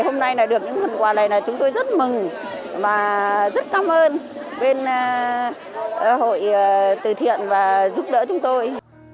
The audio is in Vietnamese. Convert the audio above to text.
hôm nay là được những phần quà này là chúng tôi rất mừng và rất cảm ơn bên hội từ thiện và giúp đỡ chúng tôi